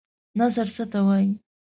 نثر څه ته وايي؟